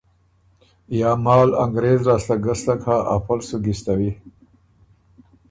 یا مال انګرېز لاسته ګستک هۀ ا فه ل سو ګِستوی